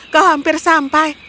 kau hampir sampai